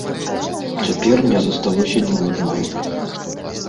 Цяпер не засталося ніводнага.